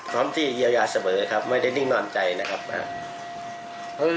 พร้อมที่เยียวยาเสมอครับไม่ได้นิ่งนอนใจนะครับ